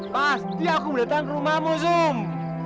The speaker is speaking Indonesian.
pasti aku mau datang ke rumahmu zum